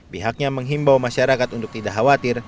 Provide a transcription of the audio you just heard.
pihaknya menghimbau masyarakat untuk tidak khawatir